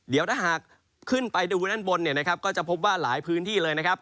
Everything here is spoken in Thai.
เดี๋ยวถ้าหากขึ้นไปดูด้านบนเนี่ยนะครับก็จะพบว่าหลายพื้นที่เลยนะครับ